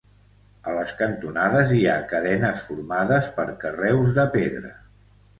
A les cantonades hi ha cadenes formades per carreus de pedra.